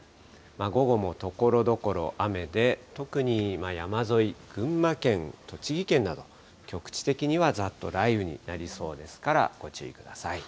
午後もところどころ雨で、特に山沿い、群馬県、栃木県など、局地的にはざっと雷雨になりそうですから、ご注意ください。